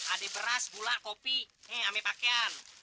ada beras gula kopi nih ambil pakaian